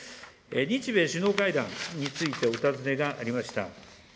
日米首脳会談についてお尋ねがありました。